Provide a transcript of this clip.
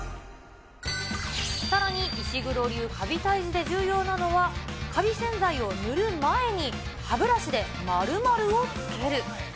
さらに、石黒流かび退治で重要なのは、かび洗剤を塗る前に、歯ブラシで○○をつける。